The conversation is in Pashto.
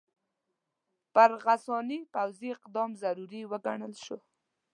پر غساني پوځي اقدام ضروري وګڼل شو.